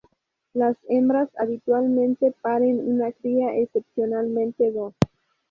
Las hembras habitualmente paren una cría, excepcionalmente dos.